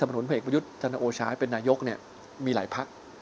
ไม่สมนติพระเอกประยุทธ์จังหาโอชายเป็นนายกมีหลายภักดิ์